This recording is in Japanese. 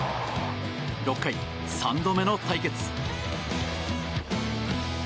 ６回、３度目の対決。